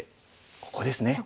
そこですね。